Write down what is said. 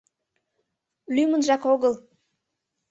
— Лӱмынжак огыл...